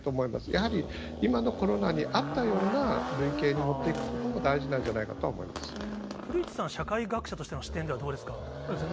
やはり今のコロナに合ったような類型に持っていくことも、大事な古市さん、社会学者としての指摘ではどうですか。